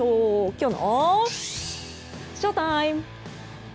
きょうのＳＨＯＴＩＭＥ。